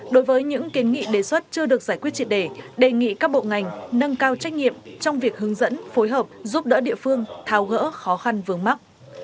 đối với những kiến nghị đề xuất chưa được giải quyết triệt đề đề nghị các bộ ngành nâng cao trách nhiệm trong việc hướng dẫn phối hợp giúp đỡ địa phương tháo gỡ khó khăn vướng mắt